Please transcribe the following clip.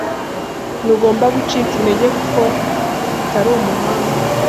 Ntugomba gucika intege kuko utari umuhanga.